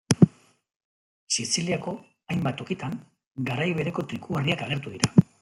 Siziliako hainbat tokitan, garai bereko trikuharriak agertu dira.